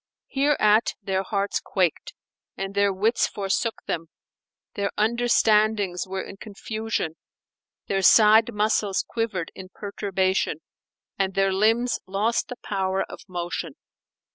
Hereat their hearts quaked and their wits forsook them; their understandings were in confusion, their side muscles quivered in perturbation and their limbs lost the power of motion.